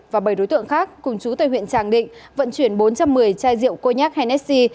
và bảy đối tượng khác cùng chú tây huyện tràng định vận chuyển bốn trăm một mươi chai rượu cô nha hennessi